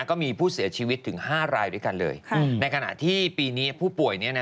ก็มีผู้เสียชีวิตถึง๕รายด้วยกันเลยในขณะที่ปีนี้ผู้ป่วย